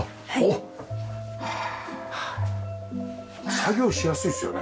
作業しやすいですよね。